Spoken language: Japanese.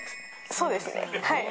そうですね。